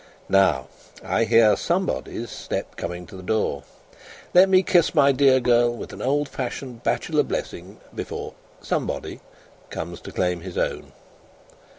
Now, I hear Somebody's step coming to the door. Let me kiss my dear girl with an old fashioned bachelor blessing, before Somebody comes to claim his own."